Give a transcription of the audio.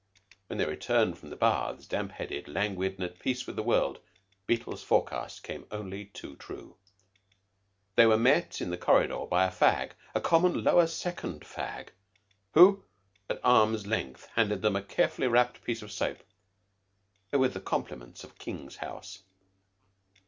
When they returned from the baths, damp headed, languid, at peace with the world, Beetle's forecast came only too true. They were met in the corridor by a fag a common, Lower Second fag who at arm's length handed them a carefully wrapped piece of soap "with the compliments of King's House."